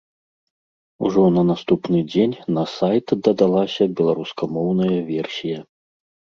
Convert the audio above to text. Ужо на наступны дзень на сайт дадалася беларускамоўная версія.